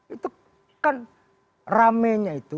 itu kan rame nya itu